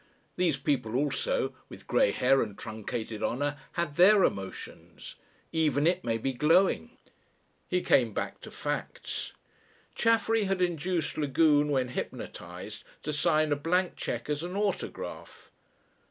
These people also with grey hair and truncated honour had their emotions I Even it may be glowing! He came back to facts. Chaffery had induced Lagune when hypnotised to sign a blank cheque as an "autograph."